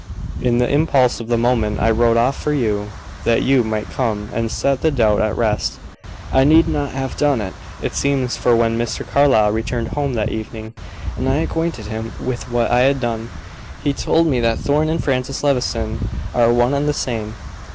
In the impulse of the moment I wrote off for you, that you might come and set the doubt at rest. I need not have done it, it seems, for when Mr. Carlyle returned home that evening, and I acquainted him with what I had done, he told me that Thorn and Francis Levison are one and the same.